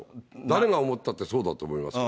誰が思ったってそうだと思います。